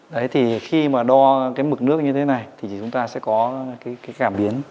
đấy thì khi mà đo cái mực nước như thế này thì chúng ta sẽ có cái cảm biến